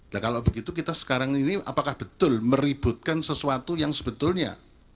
nah kalau begitu kita sekarang ini apakah betul meributkan sesuatu yang sebetulnya